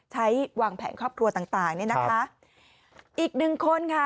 ใช้วางแผงครอบครัวต่างเนี่ยนะคะอีก๑คนค่ะ